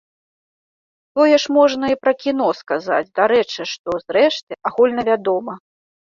Тое ж можна і пра кіно сказаць, дарэчы, што, зрэшты, агульнавядома.